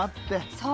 そう。